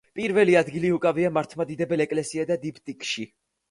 პირველი ადგილი უკავია მართლმადიდებელ ეკლესიათა დიფტიქში.